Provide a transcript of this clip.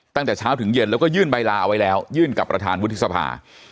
ตั้งแต่เช้าถึงเย็นแล้วก็ยื่นใบลาเอาไว้แล้วยื่นกับประธานวุฒิสภา